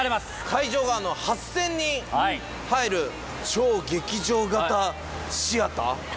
会場は８０００人入る超劇場型シアター